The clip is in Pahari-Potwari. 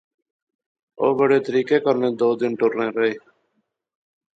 او بڑے طریقے کنے دو دن ٹرنے رہے